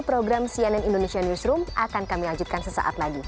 program cnn indonesia newsroom akan kami lanjutkan sesaat lagi